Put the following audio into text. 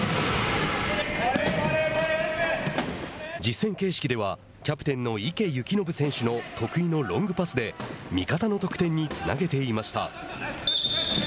実戦形式ではキャプテンの池透暢選手の得意のロングパスで味方の得点につなげていました。